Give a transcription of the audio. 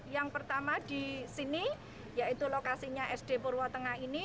yang pertama di sini yaitu lokasinya sd purwo tengah ini